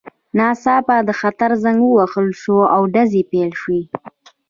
ناڅاپه د خطر زنګ ووهل شو او ډزې پیل شوې